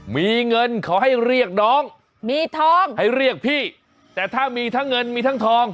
มีเงินเขาให้เรียกน้องมีทองให้เรียกพี่แต่ถ้ามีทั้งเงินมีทั้งทอง